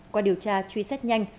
qua điều tra truy xét nhanh